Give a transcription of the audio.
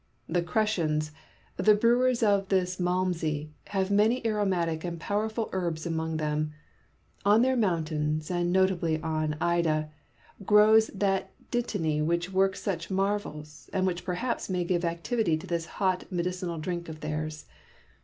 The Cretans, the brewers of this Malmsey, have many aromatic and powerful herbs among them. On their moun tains, and notably on Ida, grows that dittany which works such marvels, and which perhaps may give activity to this 29 I30 /MA GIN A R V CON VERSA TIONS. hot medicinal driuk of theirs.